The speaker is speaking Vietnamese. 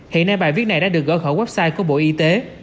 hiện nay bài viết này đã được gỡ khỏi website của bộ y tế